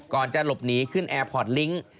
ก่อนจะหลบหนีขึ้นแอร์พอทลิงค์